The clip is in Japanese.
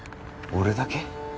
俺だけ？